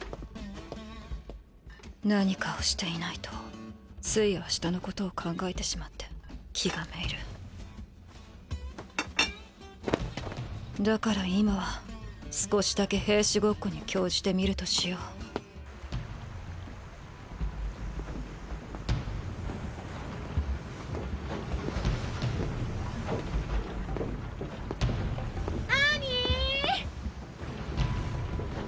何かをしていないとつい明日のことを考えてしまって気が滅入るだから今は少しだけ兵士ごっこに興じてみるとしようアニーッ！